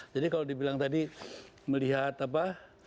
jadi kalau dibilang tadi melihat apa